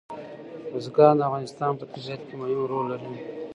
بزګان د افغانستان په طبیعت کې مهم رول لري.